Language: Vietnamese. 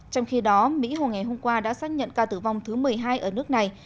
trong khi đó mỹ hôm ngày hôm qua đã xác nhận ca tử vong thứ một mươi hai ở nước này